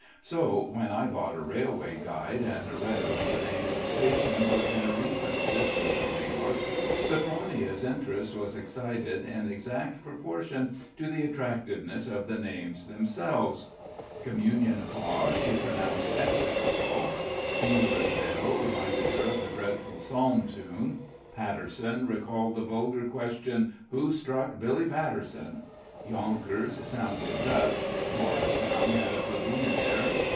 So when I bought a railway guide and read over the names of stations within a reasonable distance of New York, Sophronia's interest was excited in exact proportion to the attractiveness of the names themselves. Communipaw she pronounced execrable. Ewenville reminded her of a dreadful psalm tune. Paterson recalled the vulgar question, "Who struck Billy Patterson?" Yonkers sounded Dutch. Morristown had a plebeian air.